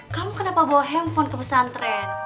kamu kenapa bawa handphone ke pesantren